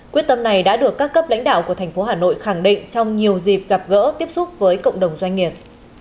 quyết tâm này đã được các cấp lãnh đạo của thành phố hà nội khẳng định trong nhiều dịp gặp gỡ tiếp xúc với cộng đồng doanh nghiệp